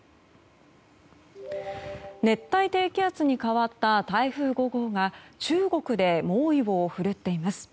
熱帯低気圧に変わった台風５号が中国で猛威を振るっています。